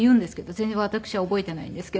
全然私は覚えていないんですけど。